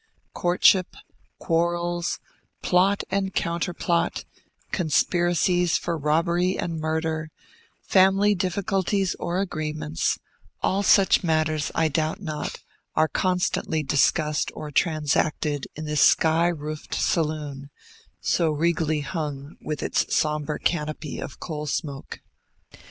Courtship, quarrels, plot and counterplot, conspiracies for robbery and murder, family difficulties or agreements, all such matters, I doubt not, are constantly discussed or transacted in this sky roofed saloon, so regally hung with its sombre canopy of coal smoke.